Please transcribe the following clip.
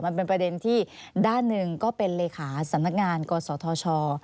มันเป็นประเด็นที่ด้านหนึ่งก็เป็นเลขาสำนักงานกศธช